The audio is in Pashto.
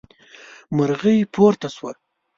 مرغۍ پورته شوه.